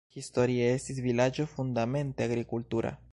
Historie estis vilaĝo fundamente agrikultura.